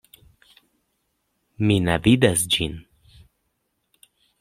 Mi ne vidas ĝin.